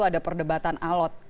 ada perdebatan alat